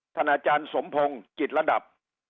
อาจารย์สมพงศ์จิตระดับ